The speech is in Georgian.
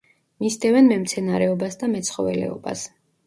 მისდევენ მემცენარეობას და მეცხოველეობას.